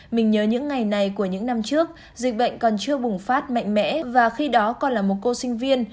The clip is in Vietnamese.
mình nhớ những ngày này của những năm trước dịch bệnh còn chưa bùng phát mạnh mẽ và khi đó còn là một cô sinh viên